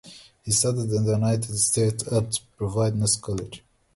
He studied in the United States at Providence College.